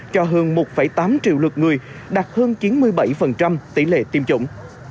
cho hơn một tám triệu lượt người đạt hơn chín mươi bảy tỷ lệ tiêm chủng